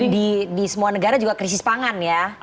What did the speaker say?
di semua negara juga krisis pangan ya